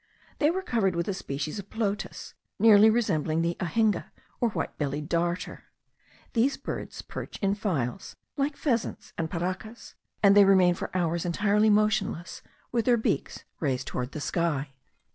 They were covered with a species of plotus, nearly resembling the anhinga, or white bellied darter. These birds perch in files, like pheasants and parrakas, and they remain for hours entirely motionless, with their beaks raised toward the sky.